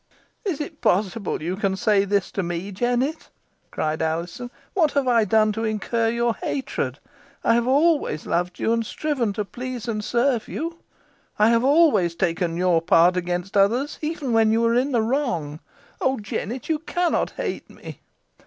"Is it possible you can say this to me, Jennet?" cried Alizon. "What have I done to incur your hatred? I have ever loved you, and striven to please and serve you. I have always taken your part against others, even when you were in the wrong. Oh! Jennet, you cannot hate me."